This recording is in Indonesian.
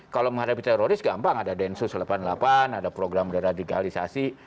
kalau menghadapi teroris gampang ada densus delapan puluh delapan ada program deradikalisasi